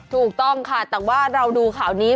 ถูกต้องค่ะแต่ว่าเราดูข่าวนี้